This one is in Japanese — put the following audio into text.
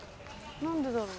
何でだろう。